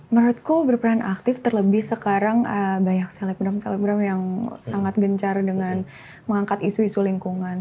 menurutku berperan aktif terlebih sekarang banyak selebgram selebgram yang sangat gencar dengan mengangkat isu isu lingkungan